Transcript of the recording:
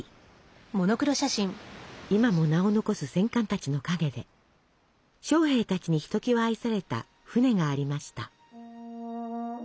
今も名を残す戦艦たちの陰で将兵たちにひときわ愛された船がありました。